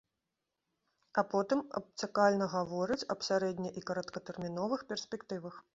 А потым абцякальна гаворыць аб сярэдне- і кароткатэрміновых перспектывах.